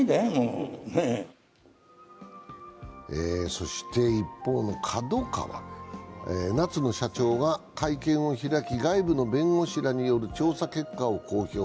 そして一方のＫＡＤＯＫＡＷＡは夏野社長が会見を開き、外部の弁護士らによる調査結果を発表。